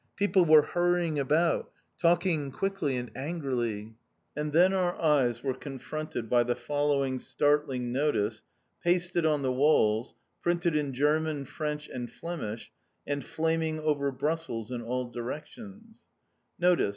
People were hurrying about, talking quickly and angrily. And then our eyes were confronted by the following startling notice, pasted on the walls, printed in German, French and Flemish, and flaming over Brussels in all directions: "_AVIS.